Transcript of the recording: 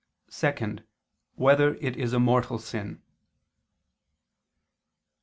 (2) Whether it is a mortal sin?